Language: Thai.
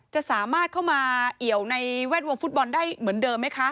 จะสามารถเข้ามาเอี่ยวในแวดวงฟุตบอลได้เหมือนเดิมไหมคะ